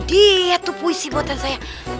nah itu dia tuh puisi buatan saya